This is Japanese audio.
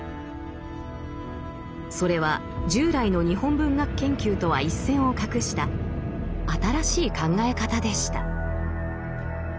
それは従来の日本文学研究とは一線を画した新しい考え方でした。